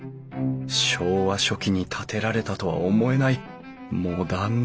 昭和初期に建てられたとは思えないモダンなデザインだな。